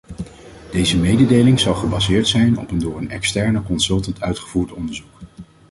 Deze mededeling zal gebaseerd zijn op een door een externe consultant uitgevoerd onderzoek.